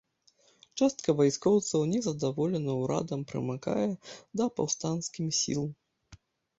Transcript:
Частка вайскоўцаў незадаволена ўрадам прымыкае да паўстанцкім сіл.